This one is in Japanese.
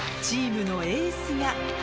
チームのエースが。